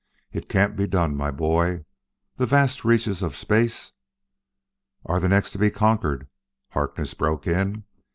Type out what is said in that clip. It can't be done, my boy; the vast reaches of space " "Are the next to be conquered," Harkness broke in.